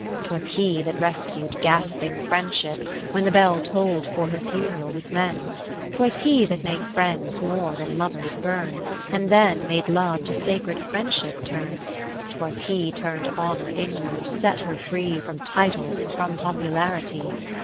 'Twas he that rescu'd gasping Friendship when The bell toll'd for her funeral with men : 50 'Twas he that made Friends more than Lovers burn, And then made Love to sacred Friendship turn : 'Twas he tum'd Honour inward, set her free From titles and from popularity.